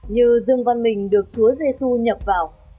như dương văn mình được chúa giê xu nhập vào